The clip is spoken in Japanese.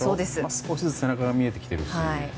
少しずつ背中が見えてきてるし。